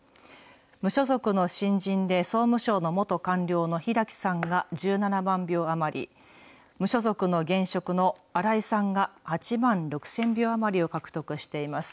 無所属の新人で、総務省の元官僚の平木さんが１７万票余り、無所属の現職の荒井さんが８万６０００票余りを獲得しています。